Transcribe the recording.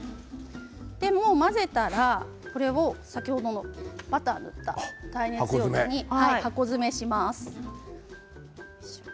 混ぜたらこれを先ほどのバターを塗った耐熱容器に箱詰めしていきます。